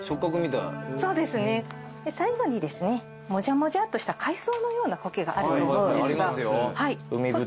最後にですねもじゃもじゃっとした海藻のような苔があると思うんですが。